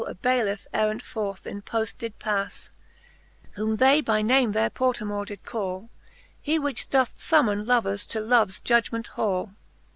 A Baylieife errant forth in pofl did pafTe, Whom they by name there Portamore did call ; He, which doth fummon lovers to loves judgement hall.